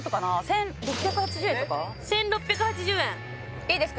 １６８０円いいですか？